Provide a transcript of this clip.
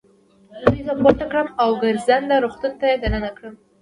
دوی زه پورته کړم او ګرځنده روغتون ته يې دننه کړم.